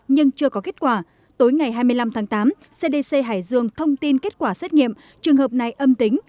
nhưng chưa có kết quả tối ngày hai mươi năm tháng tám cdc hải dương thông tin kết quả xét nghiệm trường hợp này âm tính